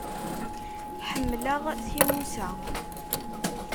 Ḥemmleɣ timusa.